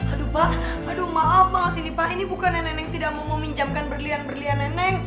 aduh pak aduh maaf banget ini pak ini bukan nenek nenek tidak mau meminjamkan berlian berlian nenek